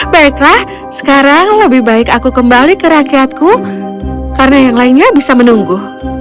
baiklah sekarang lebih baik aku kembali ke rakyatku karena yang lainnya bisa menunggu